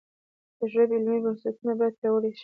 د ژبې علمي بنسټونه باید پیاوړي شي.